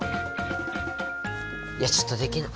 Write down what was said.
いやちょっとできないかな。